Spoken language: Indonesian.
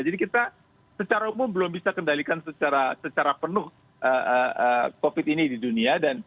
jadi kita secara umum belum bisa kendalikan secara penuh covid ini di dunia